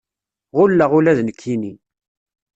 Ɣulleɣ ula d nekkinni.